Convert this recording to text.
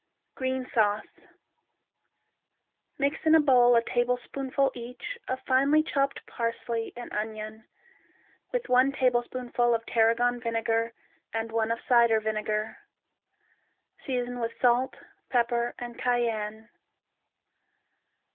Green Sauce Mix in a bowl a tablespoonful each of finely chopped parsley and onion, with one tablespoonful of Tarragon vinegar and one of cider vinegar. Season with salt, pepper and cayenne.